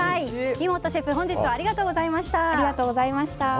みもっとシェフ、本日はありがとうございました。